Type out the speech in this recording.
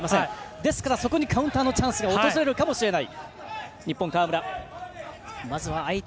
ですから、そこにカウンターのチャンスが訪れるかもしれない。